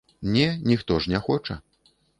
Не, ніхто ж не хоча!